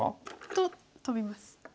とトビます。